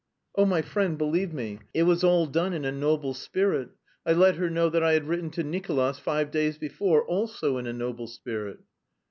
"Oh, my friend, believe me, it was all done in a noble spirit. I let her know that I had written to Nicolas five days before, also in a noble spirit."